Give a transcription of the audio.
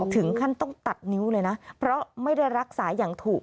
ถึงขั้นต้องตัดนิ้วเลยนะเพราะไม่ได้รักษาอย่างถูก